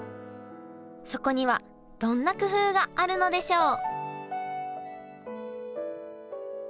そこにはどんな工夫があるのでしょう？